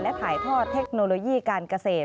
และถ่ายทอดเทคโนโลยีการเกษตร